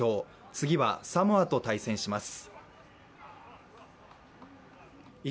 次はサモアと対戦します。